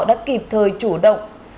đã kịp thời chủ động